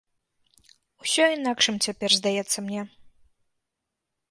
Усё інакшым цяпер здаецца мне.